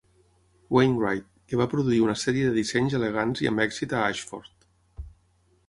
Wainwright, que va produir una sèrie de dissenys elegants i amb èxit a Ashford.